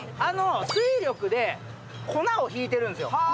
水力で粉をひいているんですよ。